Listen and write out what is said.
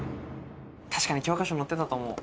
確か教科書に載ってたと思う。